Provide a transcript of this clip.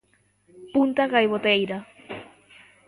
Punta Gaivoteira.